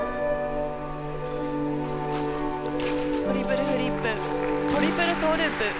トリプルフリップトリプルトウループ。